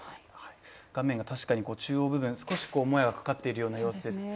画面が確かに中央部分少しもやがかかっている様子です。